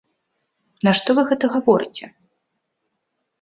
Нашто вы гэта гаворыце?